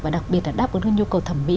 và đặc biệt là đáp ứng được nhu cầu thẩm mỹ